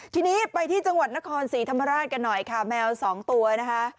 ทีนี้ไปที่จังหวัดนครศรีธรรมราชกันหน่อยค่ะแมวสองตัวนะคะ